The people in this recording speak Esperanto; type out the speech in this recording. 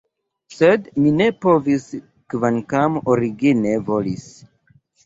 Sed mi ne povis, kvankam origine volis.